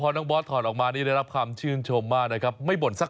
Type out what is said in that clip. น้องบอสถอดออกมาได้รับคำชื่นชมมากเลย